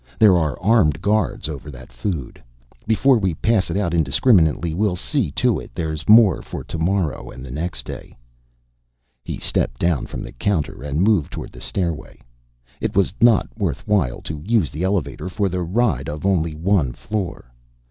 There are armed guards over that food. Before we pass it out indiscriminately, we'll see to it there's more for to morrow and the next day." He stepped down from the counter and moved toward the stairway. It was not worth while to use the elevator for the ride of only one floor.